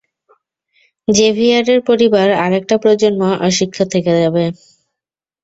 জেভিয়ারের পরিবার আরেকটা প্রজন্ম অশিক্ষিত থেকে যাবে।